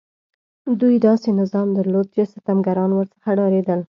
دوی داسې نظام درلود چې ستمګران ورڅخه ډارېدل.